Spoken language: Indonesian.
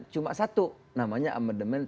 cuma satu namanya amandemen